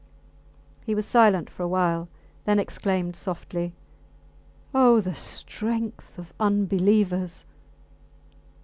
He was silent for a while, then exclaimed softly Oh! the strength of unbelievers!